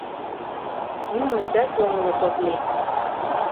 Нимончат йоҥылыш от лий!»